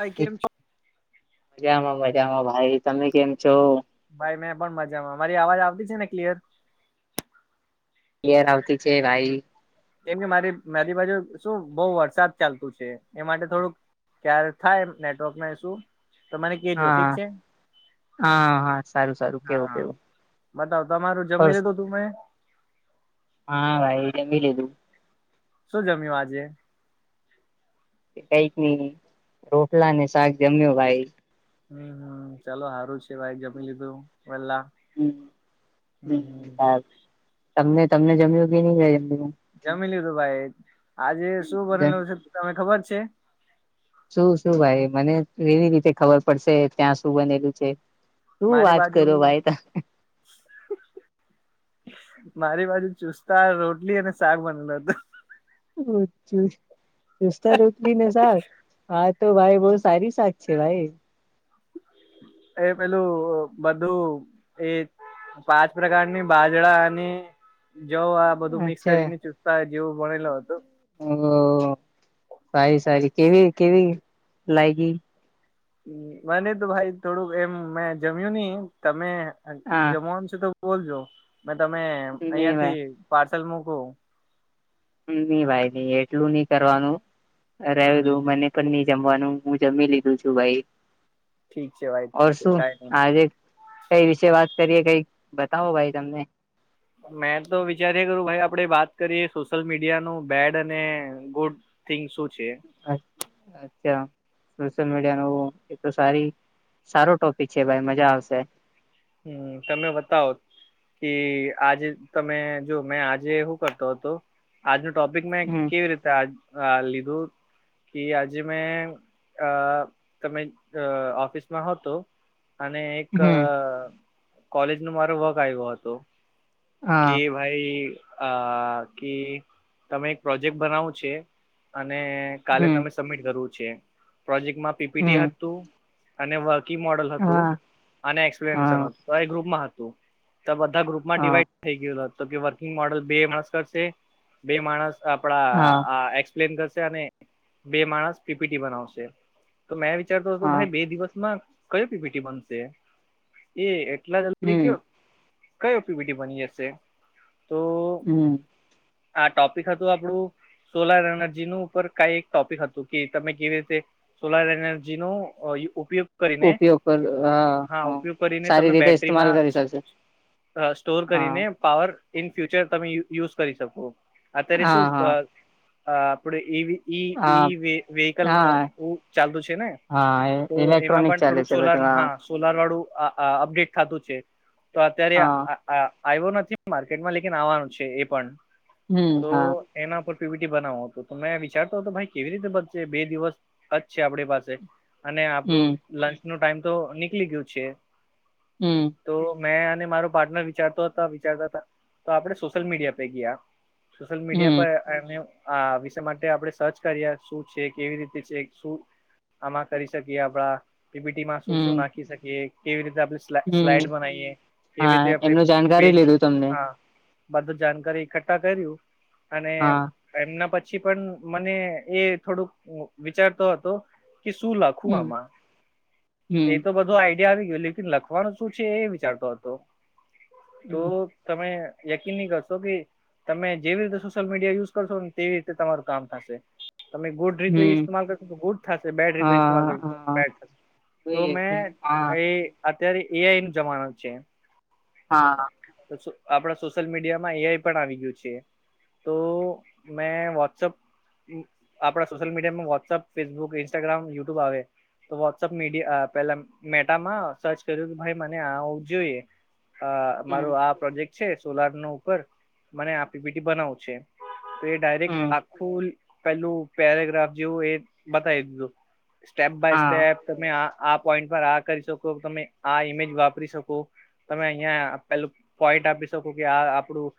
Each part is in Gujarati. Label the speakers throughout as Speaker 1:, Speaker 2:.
Speaker 1: ભાઈ કેમ છો
Speaker 2: મજામાં મજામાં ભાઈ. તમે કેમ છો?
Speaker 1: ભાઈ મેં પણ મજામાં મારી અવાજ આવતી છે ને કલિયર.
Speaker 2: ક્લિયર આવતી છે ભાઈ.
Speaker 1: એમ કે મારી મારી બાજુ શું બહુ વરસાદ ચાલતું છે એ માટે થોડુંક ક્યારે થાય નેટવર્કનો ઈશું તોમને કહેજો ઠીક
Speaker 2: હા
Speaker 1: છે.
Speaker 2: હા હા સારું સારું
Speaker 1: હા
Speaker 2: કેવું
Speaker 1: હા
Speaker 2: કેવું
Speaker 1: બતાવ તમારું જમી
Speaker 2: પસ
Speaker 1: લીધું તું મેં
Speaker 2: હા ભાઈ એ જમી લીધું.
Speaker 1: શું જમ્યું આજે.
Speaker 2: કઈજ નઈ ઢોકલા ને શાક જમ્યો ભાઈ.
Speaker 1: હમ હમ ચાલો હારું છે ભાઈ જમી લીધું વેહેલા.
Speaker 2: હમ હમ સારું તમને તમને જમ્યું કે નહી?
Speaker 1: જમી લીધું ભાઈ આજે શું
Speaker 2: જમ
Speaker 1: બનેલું છે તને ખબર છે?
Speaker 2: શું શું ભાઈ મને કેવી રીતે ખબર પડશે ત્યાં શું બનેલું છે. શું
Speaker 1: મારી
Speaker 2: વાત
Speaker 1: બાજુ
Speaker 2: કરો ભાઈ તા
Speaker 1: મારી બાજુ ચુસ્તા રોટલી અને શાક બનેલો હતું.
Speaker 2: રોજ્જે ચુસ્તા રોટલી મજા આવે હા તો ભાઈ બહુ સારી શાક છે ભાઈ.
Speaker 1: એ પેલું બધું એ પાંચ પ્રકારની બાજરા અને જવ આ બધું મિક્સ
Speaker 2: અચ્છા
Speaker 1: કરીને ચુસ્તા જેવો ભણેલો હતો.
Speaker 2: ઓ સારી સારી કેવી કેવી લાયગી.
Speaker 1: મને તો ભાઈ થોડુંક એમ મેં જમ્યું નહી તમે અ
Speaker 2: હા
Speaker 1: જમવાનું છો તો બોલજો મે તમે
Speaker 2: ની
Speaker 1: અહિયાં થી
Speaker 2: ભાઈ
Speaker 1: પાર્સલ મૂકો.
Speaker 2: ની ની ભાઈ ન એટલું નઈ કરવાનું
Speaker 1: હમ
Speaker 2: રહેલું મને પનની જમવાનું હું જમી લીધું છું ભાઈ.
Speaker 1: ઠીક છે ભાઈ
Speaker 2: ઓર
Speaker 1: ઠીક છે
Speaker 2: શું
Speaker 1: કઈ નહી.
Speaker 2: આજે. કઈ વિશે વાત કરીએ કઈ બતાવો ભાઈ તમને.
Speaker 1: મેં તો વિચારએ કરું ભાઈ આપડે વાત કરીએ સોશિયલ મીડિયા નું બેડ અને ગુડ. થિંગ શું છે?
Speaker 2: અચ્છ અચ્છા સોશ્યલ મીડિયા નો એ તો સારી સારો ટોપિક છે, ભાઈ મજા આવશે.
Speaker 1: હું તમે બતાવ. કે આજે તમે જોમેં આજે શું કરતો હતો. આજનું ટોપિક મેં
Speaker 2: હમ
Speaker 1: કેવી રીતે લીધું. કે આજે મેંઅ તમે ઓફિસમાં હતો. અને એક
Speaker 2: હમ
Speaker 1: કોલેજ નું મારો વર્ક આવ્યો હતો.
Speaker 2: હા
Speaker 1: કે ભાઈ આકે તમે એક પ્રોજેક્ટ બનાવો છે. અને કાલે
Speaker 2: હમ
Speaker 1: તમે સબમિટ કરવું છે, પ્રોજેક્ટમાં પીપીટી
Speaker 2: હમ
Speaker 1: હતું. અને વર્કી મોડલ હતું,
Speaker 2: હા
Speaker 1: અને એક્સપિરયન્સ
Speaker 2: હા
Speaker 1: હતું. ગ્રુપમાં હતું તો બધા ગ્રુપમાં
Speaker 2: હા
Speaker 1: ડિઈવાડ. થઈ ગયો તોકે વર્કિંગ મોડલ બે માણસ કરશે બે માણસ આપડા
Speaker 2: હા
Speaker 1: આંખ. એપ્ન કરશે અને બે માણસ પીપીટી બનાવશે. તોમેં વિચારતો હતો,
Speaker 2: હા
Speaker 1: ભાઈ બે દિવસમાં કંય પીપીટી બનશે. એ એટલા જલ્દી
Speaker 2: હમ
Speaker 1: કયો કયો પીવીટી બની જશે.
Speaker 2: હમ
Speaker 1: તોઆ ટોપિક હતું આપણું, સોલાર એનર્જી ન ઉપર કંઈ એક ટોપિક હતું કે તમે કેવી રીતે. સોલાર એનર્જી નો ઉપયોગ, કરીને
Speaker 2: ઉપયોગ પર
Speaker 1: હા ઉપયોગ કરીને
Speaker 2: સારી
Speaker 1: તમે
Speaker 2: રીતે ઇસ્તેમાલ
Speaker 1: બેટરીમાં.
Speaker 2: કરી શકશે
Speaker 1: સ્ટોર
Speaker 2: હા
Speaker 1: કરીને પાવર ઇન ફ્યુચર તમે યુઝ કરી શકો અત્યારે શું,
Speaker 2: હા હા
Speaker 1: અ
Speaker 2: હા
Speaker 1: આપડેવીઈ વેહકલ
Speaker 2: હા
Speaker 1: ન ચાલતું છે, ને
Speaker 2: હા
Speaker 1: તો એમાં
Speaker 2: ઇલેક્ટ્રોનિક
Speaker 1: પણ
Speaker 2: ચાલે
Speaker 1: થોડુંક
Speaker 2: છે
Speaker 1: સોલાર
Speaker 2: બધું
Speaker 1: હા, સોલાર વાળું અપડેટ ખાતું છે, તો અત્યારે.
Speaker 2: હા
Speaker 1: આવ્યો નથી માર્કેટમાં લેકન આવવાનું છે, એ પણ
Speaker 2: હમ
Speaker 1: તો.
Speaker 2: હા
Speaker 1: એના ઉપર પીવીટી બનાવો હતો, તોમેં વિચારતો હતો ભાઈ કેવી રીતે બનશે બે દિવસ. અચ છે, આપણી પાસે અને આપડું
Speaker 2: હમ
Speaker 1: લંચનો ટાઈમ તો નીકળી ગયું છે,
Speaker 2: હું.
Speaker 1: તોમેં અને મારો પાર્ટનર વિચારતો હતા, વિચારતા હતા તો આપડે સોશિયલ મીડિયા થઈ ગયા. સોશ્યલમીડિયા પર,
Speaker 2: હમ
Speaker 1: એ આ વિષ માટે આપણે સર્ચ કરીએ શું છે, કેવી રીતે છે શું. આમાં કરી શકીએ આપડા પીપીટીમાં શું શું
Speaker 2: હમ
Speaker 1: નાખી શકીએ કેવી રીતે આપણે,
Speaker 2: હમ
Speaker 1: સ્લાઈડ બનાઈએ એવી
Speaker 2: હા
Speaker 1: રીતે આપણે,
Speaker 2: એમનું જાણકારી લીધું તમને
Speaker 1: પેજહા બધું જાણકારી એક્ઠા કર્યું, અને
Speaker 2: હા
Speaker 1: એમના પછી પણ મને એ થોડુંક વિચારતો હતો કે શું લાગે. આખું
Speaker 2: હમ
Speaker 1: આમાં
Speaker 2: હમ
Speaker 1: એતો બધું આઈડિયા આવી ગયું લેકન લખવાનું શું છે, એ વિચારતો હતો. તો તમે યકીન નહીં કરશો કે, તમે જેવી રીતે સોશિયલમીડિયા યુઝ કરશો, ને તેવી રીતે તમારું કામ થશે તમે ગુડ. રીતે
Speaker 2: હમ
Speaker 1: ઇસ્તેમાલ કરતો ગુડ થશે બેડ રીતે ઇસ્તેમાલ
Speaker 2: હા
Speaker 1: કર
Speaker 2: હા
Speaker 1: બેડ થશે. તોમેં
Speaker 2: હા
Speaker 1: એ અત્યારે એ આઈનું જમાનું છે.
Speaker 2: હા.
Speaker 1: આપડા સોશિયલમીડિયા માં એઆઈ પણ આવી ગયું છે. તોમેં વોટ્સઅપ, આપણા સોશિયલમીડિયામાં વોટ્સઅપ, ફેસબુક ઇન્સ્ટાગ્રામ યુટ્યુબ આવે. તો વોટ્સઅપ મીડિયા પેલા મેટામાં સર્ચ કર્યું કે ભાઈ મને આવું જોઈએ. અ
Speaker 2: હમ
Speaker 1: મારો આ પ્રોજેક્ટ છે, સોલાર નો ઉપર મને આપીપીટી બનાવો છે. તોએ ડાયરેક્ટ
Speaker 2: હમ
Speaker 1: આખું પેલું પેરાગ્રાફ જેવું એ બતાવી દીધું, સ્ટેપ બાય
Speaker 2: હા
Speaker 1: સ્ટેપ, તમે આ આ પોઈન્ટ પર આ કરી શકો તમે આ ઇમેજ વાપરી શકો તમે અહં પેલું પોઈન્ટ આપી શકો કે આ આપડું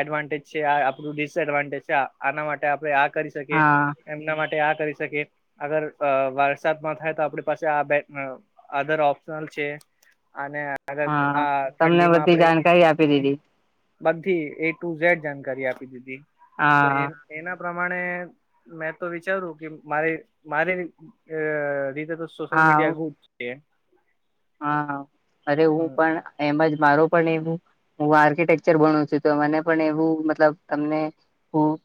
Speaker 1: એડવાન્ટેજ છે, આ આપણું ડિસએડવાન્ટેજ છે, આના માટે આપણે આ કરી શકીએ
Speaker 2: હા
Speaker 1: એમના માટે આ કરી શકીએ અગર વરસાદ ન થાય તો આપણી પાસે આ બે અધર ઓપ્શનલ છે, અને આગ
Speaker 2: હા તમને બધી જાણકારી આપી દીધી.
Speaker 1: બધી એ ટુ-ઝેડ જાણકારી આપી દીધી તો એ
Speaker 2: હા
Speaker 1: એના પ્રમાણે મેં તો વિચારું કે મારે મારી રીતે તો સોશિયલ
Speaker 2: હા
Speaker 1: મીડિયા જ છે.
Speaker 2: હા અરે હું પણ એમજ મારો પણ એવું હું આર્કિટેકચર ભણું છું. તો મને પણ એવું મતલબ તમને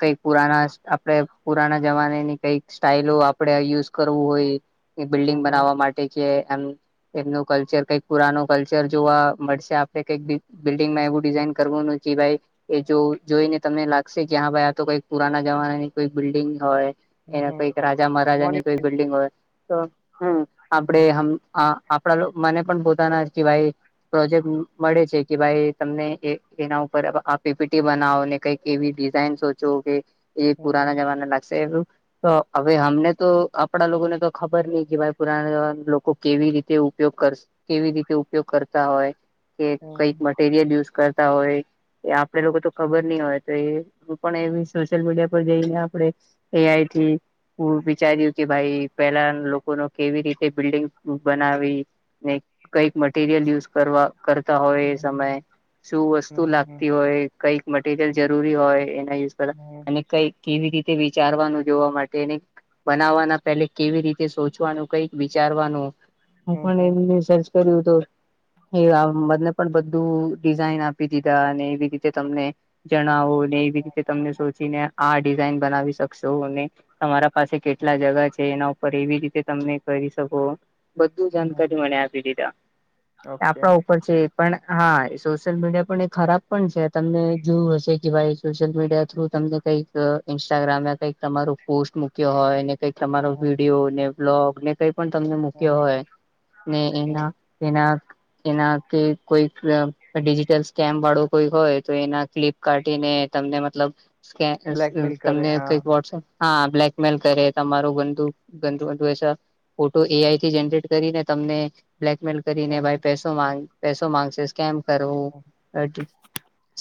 Speaker 2: કઈક પુરાના આપણેે પુરાના જમાનાની કઈક સ્ટાઈઇલો આપણે યુઝ કરવું હોય. એ બિલ્ડિંગ
Speaker 1: હમ
Speaker 2: બનાવવા માટે કે એમ એમનું કલ્ચર કઈક પુરાનો કલ્ચર જોવા મળશે આપડે કઈક બિલ્ડિંગમાંવું ડિઝાઇન કરવાનું ભાઈ એ જો જોઈને તમને લાગશે કે હા ભાઈ આ તો કઈક પુરાના જમાના ની કોઈ બિલ્ડિંગ હોય એના
Speaker 1: હમ
Speaker 2: કઈક રાજા મહારાજા ની
Speaker 1: મોર્નિંગ
Speaker 2: કોઈ બિલ્ડિંગ હોય તો હ આપડે આપડા મને પણ પોતાના કે ભાઈ પ્રોજેક્ટ મળે છે, કે ભાઈ તમને એના ઉપર આ પીપીટી બનાવોને કઈક કેવી ડિઝાઇન સોચો કે એ પુરાના જમાના લાગશે તો હવે હમને તો આપડા લોકોને તો ખબર નહી કે ભ પુરાના જવા લોકો કેવી રીતે તે ઉપયોગ કર કેવી રીતે ઉપયોગ કરતા હોય કે કઈક માટે રય યુઝ કરતા હોય એ આપડે લોકો તો ખબર નહી હોય તો એ પણ એવી સોશિયલ મીડિયા પર જઈને આપણે એ આઈથી હું વિચાર્યું કે ભાઈ પેલા લોકો ન કેવી રીતે બિલ્ડંગ બનાવી ને કઈક મટીરયલ યુઝ કરવા કરતા હોય એ સમયે શું વસ્તુ લાગતી હોય કઈક મટીરિયલ જરૂરી હોય એના યુઝ કરવા અને કઈક કેવી રીતે વિચારવાનું જોવા માટેને બનાવવાના પહેલે કેવી રીતે સોચવાનું કઈક વિચારવાનું હું પણ એમ રિસર્ચ કર્યું હત એ આ બને પણ બધ બધું ડિઝઇન આપી દીધા અને એવી રીતે તમને જણાવો ને એવી રીતે તમને સોચીને આ ડિઝાઇન બનાવી શકશો તમારા પાસે કેટલા જગા છે, એના ઉપર એવી રીતે તમે કરી શકો બધું જાણકારી મને આપી દીધા
Speaker 1: ઓકે
Speaker 2: આપણા ઉપર છે. પણ હા એ સોશિયલ મીડિયા પણ એ ખરાબ પણ છે, તમને જોયું હશે કે ભાઈ સોશિયલ મીડિયા થ્રુ તમને કઈક ઇન્સ્ટાગ્રામમાં કઈક તમારો પોસ્ટ મૂક્યો હોય કઈ તમારો વિડીિયો ને બ્લોગ ને કઈ પણ તમને મૂક્યો હોય ને એના એના એના કે કોઈ ડિજિટલ સ્કેમ વાળું કોઈ હોય તો એના ફ્લિપ કઢીને તમને મતલબ
Speaker 1: બ્લેકમેલ કરે
Speaker 2: તમને
Speaker 1: હા
Speaker 2: કઈક વોટ્સપ હા બ્લેકમેલ કરે તમારો બુુ બંધુ ફોટો એઆઈ જરેટ કરીને તમને બ્લેકમેલ કરીને
Speaker 1: હમ
Speaker 2: ભ પ પસો માંગ સ્કેમ કરવું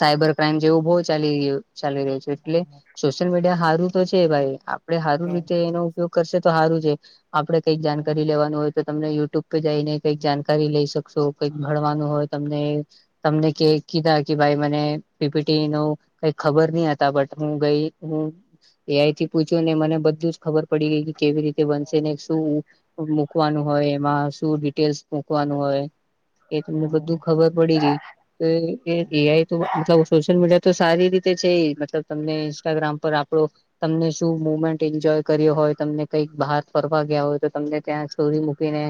Speaker 2: સાયબર ક્રાઈમ જેવું બહ ચાલી રહ ચાલી રહ્યું છે. એટલે સોશિયલ મીડિયા સારું તો છે, ભાઈ આપડે સારું
Speaker 1: હમ
Speaker 2: રીતે એનો ઉપગ કરશે તો સારું છે, આપડે કઈક જાણકારી હોય તો તમને યુટ્યુબ પે જઈને કંઈક જાણકારી લઈ શકશો કંઈક ભણવાનું
Speaker 1: હમ
Speaker 2: હોય તમને તમને કે કીધા કે ભાઈ મને પીટી ન કઈ ખબર નહ હતા બટ હું ગઈ હું એઆઈ થી પૂછ્યો ને મને બધું ખબર પડી ગઈ કે કેવી રીતે બનશે ને શું? મૂકવાનું હોય એમાં શું ડિટેલ્સ મૂકવાનું હોય એ તમને બધું
Speaker 1: હમ
Speaker 2: ખબર પડી ગઈ તો એઆઈ તો મતલબ સોશિયલ મીડિયા તો સારી રીતે છે મતલબ તમને ઇન્સ્ટાગ્રામ પર આપડો તમને શું મુમેન્ટ એન્જોય કર્યો હોય તમને કઈક બહાર ફરવા ગયા હોય તો તમને ત્યાં સ્ટોરી મૂકીને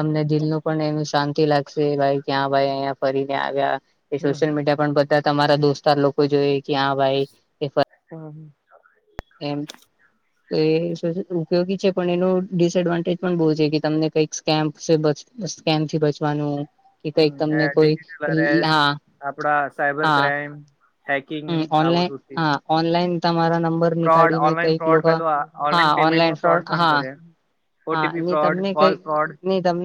Speaker 2: તમને દિલ નું પણ એનું શાંતિ લાગે [unintelligible] ક્યાં ભાઈ અયા ફરીને આવ્યા એ
Speaker 1: હમ
Speaker 2: સોશિયલ મીડિયા પણ બધા તમારા દોસ્તાર લોકો જોઈ જ્યાં ભાઈ કે
Speaker 1: [unintelligible]
Speaker 2: એમ તો એ ઉપયોગી છે પણ એનું ડિસએડવાન્ટેજ પણ બહુ છે, કે તમને કંઈક સ્કેમ્પ કેમથી બચવાનુ
Speaker 1: હમ ડીજટલ અરેસ્ટ આપડા સાયબર
Speaker 2: હા
Speaker 1: ક્રાઈમ હેકિંગ
Speaker 2: હમ
Speaker 1: આ
Speaker 2: ઓનલાઈન
Speaker 1: બધું થી.
Speaker 2: હા ઓનલાઈન તમારા નંબર નીકાળીને કઈક
Speaker 1: ફ્રોડ
Speaker 2: લોકો,
Speaker 1: પેલું
Speaker 2: હા ઓનલાઈન
Speaker 1: પેમેન્ટમાં
Speaker 2: ફ્રોડ
Speaker 1: પણ
Speaker 2: હા
Speaker 1: કરે
Speaker 2: હા
Speaker 1: ઓટીપી
Speaker 2: નહી
Speaker 1: ફ્રોડ
Speaker 2: તમને કઈ
Speaker 1: કોલ ફ્રોડ
Speaker 2: નહી તમ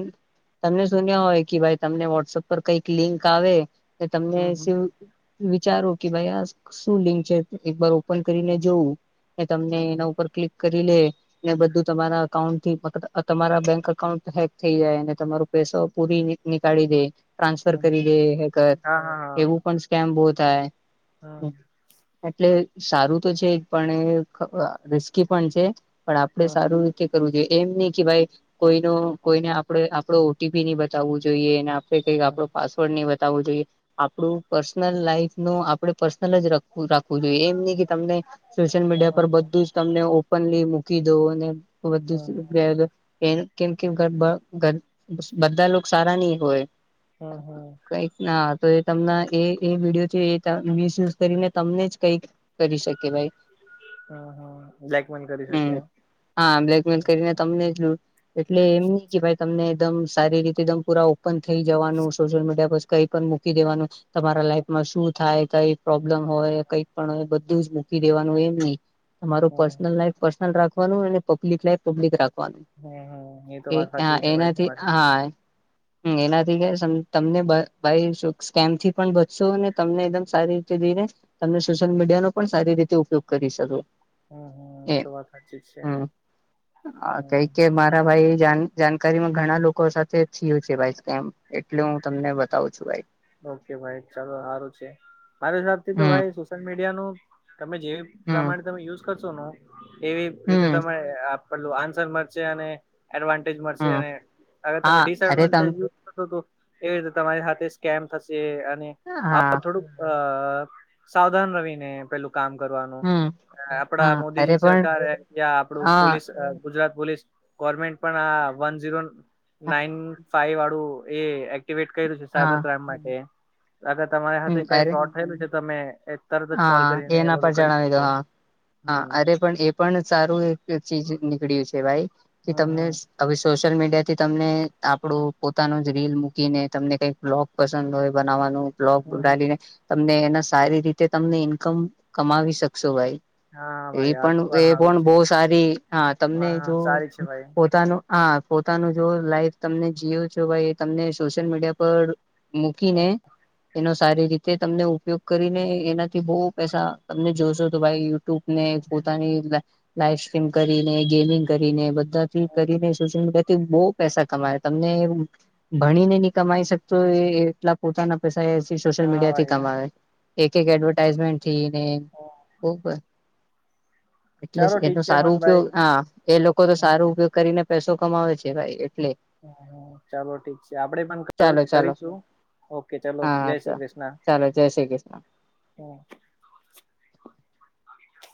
Speaker 2: તમને સુન્યા હોય કે ભાઈ તમને વોટ્સઅપ પર કઈક લિંક આવે તો તમને
Speaker 1: હમ હમ
Speaker 2: વિચારો કે ભાઈ આ શું લિંક છે, એક બાર ઓપન ઓપન કરીને જોવુ, તમને એના ઉપર ક્લિક કરી લે બધું તમારા અઉન્ટ તમારા બેંક અકાઉન્ટ હેક થઈ જાય, અને તમારુ પૈસો પૂરી નીકાળી દે ટ્રાન્સફર કરી દે હેકર
Speaker 1: હા હા
Speaker 2: એવું પણ સ્કેમ બવ થાય. એટલે સારું તો છે, પણ રિસ્કી પણ છે. પણ આપડે સારુ કરવુ જોઈએ. એમ નહી, કે ભાઈ કોઈનો કોઈને આપડે આપડો ઓટીપી ની બતાવવું જોઈએને. કઈક આપડો પાસવર્ડ નહી બતાવો જોઈએ. આપડું પર્સનલ લાઈફ નુ આપડે પર્સનલ જ રાખવું જોઈએ, એમ નહી. તમને સોશિયલ મીડિયા, પર બધુજ તમને ઓપનલી મૂકીદો અને કેમ કેમ બધા લોકો, સારા નઇ હોય.
Speaker 1: હ હ
Speaker 2: કઈક ના તો એ તમના એ વિડીયો છે એ મિસયુઝ કરીને તમને જ કઈક કરી શકે ભાઈ
Speaker 1: હ હ બ્લેકમેન કરી
Speaker 2: હમ
Speaker 1: શકે એમ
Speaker 2: હા બ્લેકમેલ [unintelligible] એટલે એમ નઇ કે ભાઈ તમને એકદમ સારી રીતે તમ પુરા ઓપન થઈ, જવાનુ સોશિયલ મીડિયા પર કઈ પણ મૂકી દેવાનું તમારા લાઈફમાં શું થાય તઇ પ્રોબ્લેમ હોય કઈક પણ હોય, બધું જ મૂકી દેવાનું એમ નહ તમારુ
Speaker 1: હમ
Speaker 2: પર્સનલ લાઈફ પર્સનલ રાખવાનું અને પબ્લિક લાઈફ પબ્લિક રાખવાનુ
Speaker 1: હમ એ તો વાત સાચી છે ભાઈ તમારી
Speaker 2: [unintelligible] એનાથી કે તમને ભ ભાઈ સ્કેમ થી પણ બચશો ને તમને એકદમ સારી રીતે તને સોશિયલ મીડિયાનો પણ સારી રીતે ઉપયોગ કરી શકો
Speaker 1: હમ હમ એ તો વાત હાચી જ છે.
Speaker 2: હ કઈ
Speaker 1: હમ
Speaker 2: કઈ માર હ ભાઈ જન જાણકારીમાં ઘણા લોકો સાથે થયુ છે ભાઈ સ્કેમ એટલે હું તમને બતાવું છુ, ભાઈ
Speaker 1: ઓકે ભાઈ ચાલો સારું છે, મારે હસાબ થી તો
Speaker 2: હમ
Speaker 1: ભાઈ સોશિયલ મીડિયા નુ તમે જેવી
Speaker 2: હમ
Speaker 1: પ્રમાણતામાં યુઝ કરશો નો એવી રીતે
Speaker 2: હમ
Speaker 1: તમે પટલું આન્સર મળશે અને એડવાન્ટેજ મળશે
Speaker 2: હમ
Speaker 1: અને અગર તમે
Speaker 2: હા અરે તમ
Speaker 1: ડીસએડવાન્ટેજ યુઝ કરસો તો એવી રીતે તમારી સાથે કેમ થશે અને આ
Speaker 2: હા
Speaker 1: થોડુંક અ સાવધાન પેલુ કામ કરવાનું
Speaker 2: હમ
Speaker 1: આપડા
Speaker 2: હા અરે
Speaker 1: મોદીજી
Speaker 2: પણ
Speaker 1: સરકારે યા આપડું
Speaker 2: હા
Speaker 1: પોલીસ ગુજરાત પોલીસ ગવર્મેન્ટ પણ આ વન ઝીરો નાન ફાઈવ વાળું એ એક્ટવેટ કર્યું છે,
Speaker 2: હા
Speaker 1: સાયબર ક્રાઈમ માટે અગર તમારા હાથે
Speaker 2: હમ
Speaker 1: કઈ
Speaker 2: અરે
Speaker 1: ફ્રોડ થયેલું છે, તમે તરત જ કોલ
Speaker 2: હા
Speaker 1: કરીને એ
Speaker 2: એના પર
Speaker 1: બધું કરી
Speaker 2: જણાવી દો
Speaker 1: શકો
Speaker 2: હા હા
Speaker 1: હમ
Speaker 2: અરે એ પણ સારું એક ચીજ નીકળ્યું છે, ભાઈ કે તમને હવે સોશિયલ મીડિયા થી તમને આપણું પોતાનો જ રીલ મૂકીને તમને કઈક બ્લોગ પસંદ હોય, બનાવવાનુ બલોગ ઉડાલીને તમને એના સારી રીતે તમને ઈન્કમ કમાવી શકશો ભાઈ
Speaker 1: હા
Speaker 2: એ
Speaker 1: ભાઈ આ તો
Speaker 2: પણ એ
Speaker 1: સારું
Speaker 2: પણ
Speaker 1: છે
Speaker 2: બહ સારી હા તમને
Speaker 1: હા
Speaker 2: જો
Speaker 1: સારી છે ભાઈ
Speaker 2: પોતાનુ હા, પોતાનું જો લાઈફ તમને જીવ છે, ભાઈ, તમને સોશિયલ મીડિયા પર. મૂકીને, એનો સારી રીતે તમને ઉપયોગ કરીને. એનાથી બહુ પૈસા તમને જોશો તો, ભાઈ, યુટ્યુબ ને પોતાની લાઈવ સ્ટ્રીમ કરીને, ગેમિંગ કરીને, બધાથી કરીને, સોશિયલ મીડિયા થી બહુ પૈસા કમાય, તમને ભણીને નહીં કમાઈ શકતો એ એટલા પોતાના પ એ સોશિલ
Speaker 1: હા
Speaker 2: મીડિયાથી
Speaker 1: ભાઈ હા
Speaker 2: કમાવે. એક એક એડવર્ટાઈઝમેન્ટ થઈને, બરાબર. એટલે
Speaker 1: ચાલો ઠીક
Speaker 2: એનો
Speaker 1: છે
Speaker 2: સારું
Speaker 1: મનભાઈ
Speaker 2: ઉપયોગ, હા, એ લોકો તો સારું ઉપયોગ કરીને. પૈસો કમાવે છે, ભાઈ, એટલે.
Speaker 1: હ, ચાલો, ઠીક છે, આપડે પણ
Speaker 2: ચાલો ચાલો
Speaker 1: કરીશું. ઓકે, ચલો, જય
Speaker 2: હા
Speaker 1: શ્રી
Speaker 2: ચાલો
Speaker 1: કૃષ્ણ.
Speaker 2: ચાલો જય શ્રી કૃષ્ણ.
Speaker 1: હા.